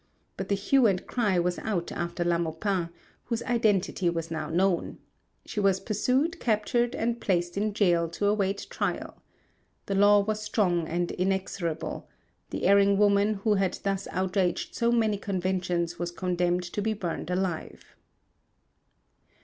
But the hue and cry was out after La Maupin, whose identity was now known. She was pursued, captured, and placed in gaol to await trial. The law was strong and inexorable; the erring woman who had thus outraged so many conventions was condemned to be burned alive.